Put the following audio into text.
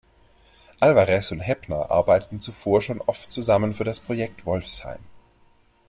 Alvarez und Heppner arbeiteten zuvor schon oft zusammen für das Projekt Wolfsheim.